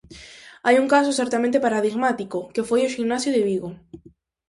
Hai un caso certamente paradigmático, que foi o Ximnasio de Vigo.